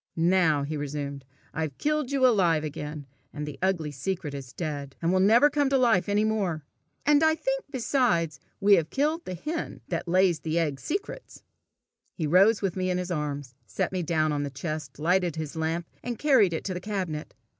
"Now," he resumed, "I've killed you alive again, and the ugly secret is dead, and will never come to life any more. And I think, besides, we have killed the hen that lays the egg secrets!" He rose with me in his arms, set me down on the chest, lighted his lamp, and carried it to the cabinet.